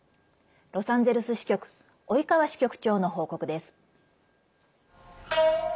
ロサンゼルス支局及川支局長の報告です。